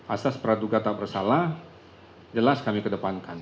asas peraduga tak bersalah jelas kami kedepankan